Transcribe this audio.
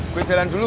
gue jalan dulu